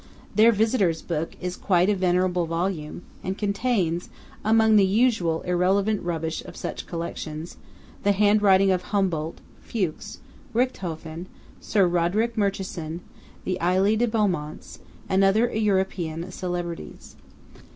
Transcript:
Their visitors' book is quite a venerable volume, and contains, among the usual irrelevant rubbish of such collections, the handwriting of Humboldt, Fuchs, Richthofen, Sir Roderick Murchison, the Elie de Beaumonts, and other European celebrities.